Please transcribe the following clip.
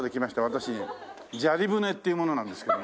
私砂利船っていう者なんですけどね。